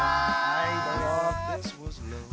はいどうぞ。